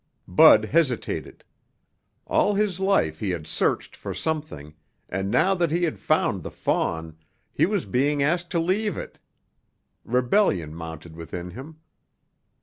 Bud hesitated. All his life he had searched for something, and now that he had found the fawn, he was being asked to leave it. Rebellion mounted within him.